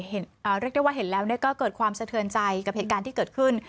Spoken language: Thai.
เรียกได้ว่าเห็นแล้วก็เกิดความสะเทือนใจกับเหตุการณ์ที่เกิดขึ้น